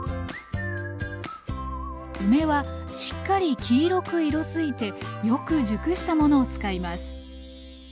梅はしっかり黄色く色づいてよく熟したものを使います